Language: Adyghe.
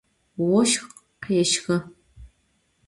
Voşx khêşxı.